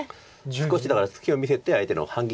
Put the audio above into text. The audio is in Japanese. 少しだから隙を見せて相手の反撃を誘って。